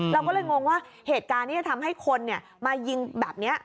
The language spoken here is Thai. เราก็เลยงงว่าเหตุการณ์ที่จะทำให้คนมายิงแบบนี้